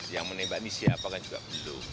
yang menembak ini siapa kan juga belum